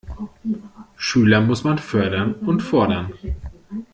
Schüler muss man fördern und fordern.